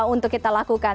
untuk kita lakukan